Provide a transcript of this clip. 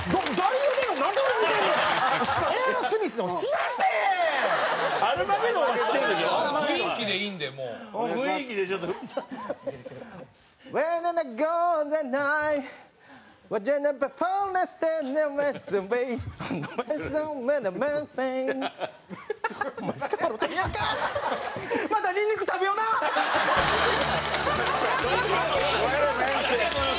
ありがとうございます。